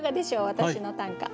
私の短歌。